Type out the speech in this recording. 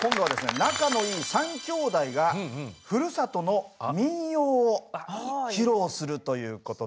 仲のいい３姉弟がふるさとの民謡を披露するということで。